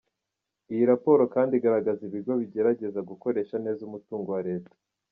Iyi raporo kandi igaragaza ibigo bigerageza gukoresha neza umutungo wa Leta.